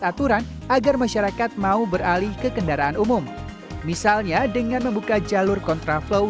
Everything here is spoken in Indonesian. aturan agar masyarakat mau beralih ke kendaraan umum misalnya dengan membuka jalur kontraflow